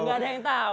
gak ada yang tahu